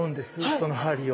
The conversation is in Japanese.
その針を。